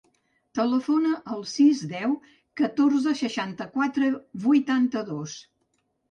Telefona al sis, deu, catorze, seixanta-quatre, vuitanta-dos.